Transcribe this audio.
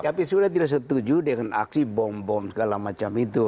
tapi sudah tidak setuju dengan aksi bom bom segala macam itu